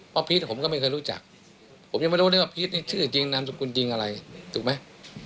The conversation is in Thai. เพราะพีชผมก็ไม่เคยรู้จักผมยังไม่รู้เลยว่าพีชนี่ชื่อจริงนามสกุลจริงอะไรถูกไหม